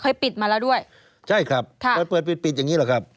ปิดมาแล้วด้วยใช่ครับค่ะเปิดเปิดปิดปิดอย่างงี้หรอกครับ